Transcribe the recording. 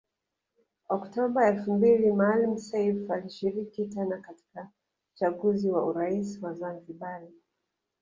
Oktoba elfu mbili Maalim Seif alishiriki tena katika uchaguzi wa urais wa Zanzibari